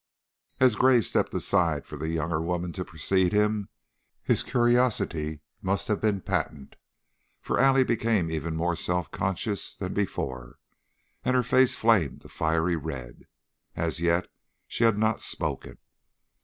As Gray stepped aside for the younger woman to precede him, his curiosity must have been patent, for Allegheny became even more self conscious than before, and her face flamed a fiery red. As yet she had not spoken.